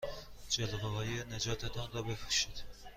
جلیقههای نجات تان را بپوشید.